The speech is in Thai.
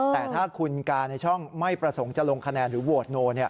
แต่ถ้าคุณกาในช่องไม่ประสงค์จะลงคะแนนหรือโหวตโน